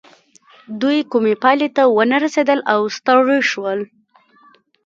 دوی کومې پايلې ته ونه رسېدل او ستړي شول.